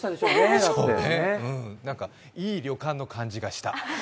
いい旅館の感じがした。